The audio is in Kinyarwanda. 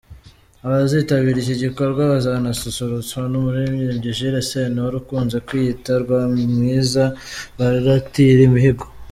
Abazitabira iki gikorwa bazanasusurutswa n’umuririmbyi Jules Sentore ukunze kwiyita ’Rwamwiza baratira imihigo’.